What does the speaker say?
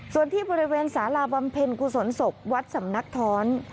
ส่วนที่บริเวณสาราบำเพ็ญกุศลศพวัดสำนักท้อน